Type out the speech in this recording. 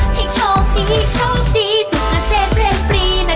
ให้โชคดีโชคดีสุขเส้นเป็นปรีนะ